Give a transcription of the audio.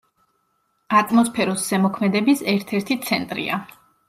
ატმოსფეროს ზემოქმედების ერთ-ერთი ცენტრია.